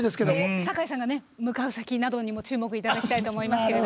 酒井さんが向かう先にも注目したいと思います。